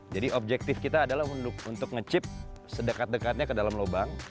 jadi objektif kita adalah untuk ngechip sedekat dekatnya ke dalam lubang